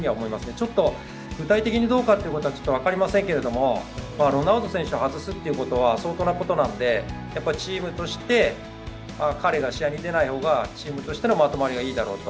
ちょっと、具体的にどうかっていうことは分かりませんけどロナウド選手を外すということは相当なことなので彼が試合に出ない方がチームとしてのまとまりがいいだろうと。